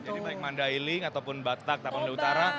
jadi baik mandailing ataupun batak tapi yang di utara